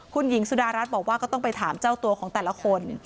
คุณหญิงสุดารัฐบอกว่าก็ต้องไปถามเจ้าตัวของแต่ละคน